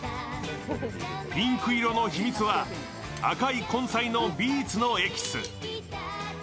ピンク色の秘密は赤い根菜のビーツのエキス。